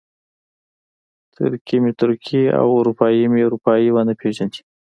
ترکي مې ترکي او اروپایي مې اروپایي ونه پېژني.